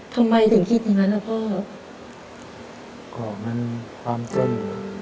เพราะว่ามันความเกิ้ม